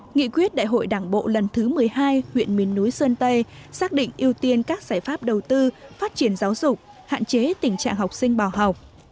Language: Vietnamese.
nghị quyết đại hội đảng bộ lần thứ một mươi hai huyện miền núi sơn tây xác định ưu tiên các giải pháp đầu tư phát triển giáo dục hạn chế tình trạng học sinh bỏ học